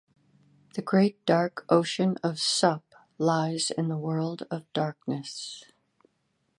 The great dark Ocean of Sup lies in the World of Darkness.